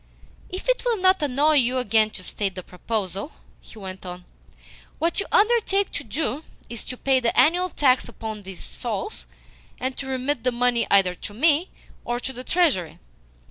"If it will not annoy you again to state the proposal," he went on, "what you undertake to do is to pay the annual tax upon these souls, and to remit the money either to me or to the Treasury?"